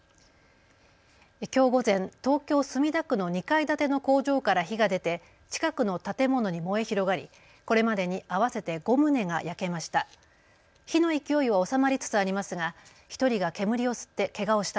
きょう午前、東京墨田区の２階建ての工場から火が出て近くの建物に燃え広がりこれまでに合わせて５棟が焼けました。